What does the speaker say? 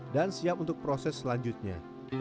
dan siap untuk proses selanjutnya